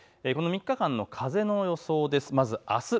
この３日間の風の予想です。